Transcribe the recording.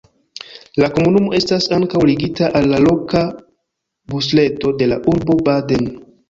La komunumo estas ankaŭ ligita al la loka busreto de la urbo Baden.